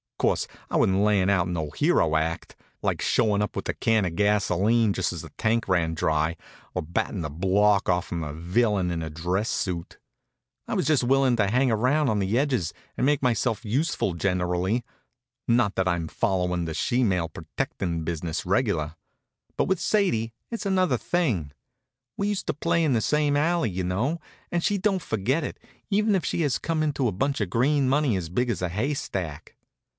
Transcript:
Course, I wasn't layin' out no hero act; like showin' up with a can of gasolene just as the tank ran dry, or battin' the block off'm a villyun in a dress suit. I was just willin' to hang around on the edges and make myself useful generally. Not that I'm followin' the she male protectin' business regular. But with Sadie it's another thing. We used to play in the same alley, you know; and she don't forget it, even if she has come into a bunch of green money as big as a haystack.